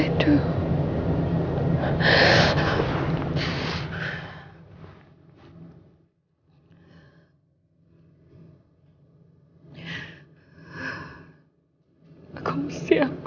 aku harus apa